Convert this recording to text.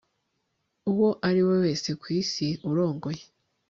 uwo ari we wese ku isi urongoye